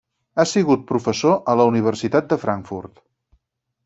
Ha sigut professor a la Universitat de Frankfurt.